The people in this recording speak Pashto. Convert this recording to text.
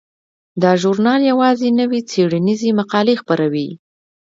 دا ژورنال یوازې نوې څیړنیزې مقالې خپروي.